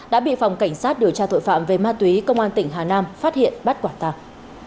đã bị phòng cảnh sát điều tra tội phạm về ma túy công an tỉnh hà nam phát hiện bắt quả tàng